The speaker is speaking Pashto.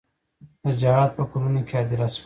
د جهاد په کلونو کې هدیره شوه.